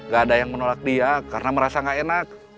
gak ada yang menolak dia karena merasa nggak enak